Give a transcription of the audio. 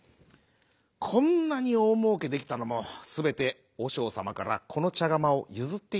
「こんなにおおもうけできたのもすべておしょうさまからこのちゃがまをゆずっていただいたおかげです。